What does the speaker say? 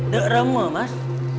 gak ramah mas